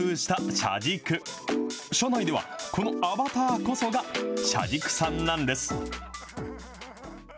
社内ではこのアバターこそが、車軸さんなんです。